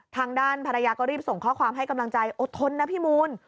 ทางด้านภรรยาก็รีบส่งข้อความให้กำลังใจอดทนนะพี่มูล